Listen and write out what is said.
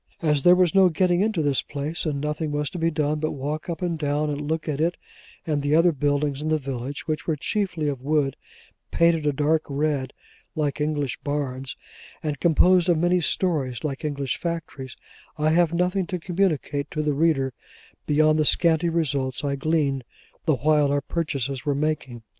As there was no getting into this place, and nothing was to be done but walk up and down, and look at it and the other buildings in the village (which were chiefly of wood, painted a dark red like English barns, and composed of many stories like English factories), I have nothing to communicate to the reader, beyond the scanty results I gleaned the while our purchases were making.